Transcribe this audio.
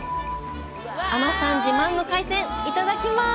海女さん自慢の海鮮、いただきます！